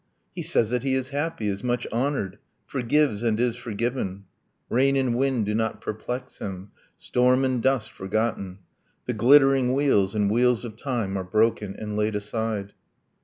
. He says that he is happy, is much honored; Forgives and is forgiven ... rain and wind Do not perplex him ... storm and dust forgotten .. The glittering wheels in wheels of time are broken And laid aside